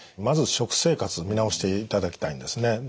まず食生活見直していただきたいんですね。